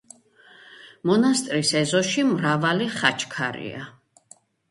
მონასტრის ეზოში მრავალი ხაჩქარია.